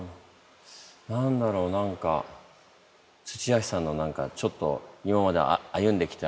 何だろう何か土橋さんの何かちょっと今まで歩んできた